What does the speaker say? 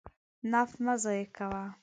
نفت مه ضایع کوه.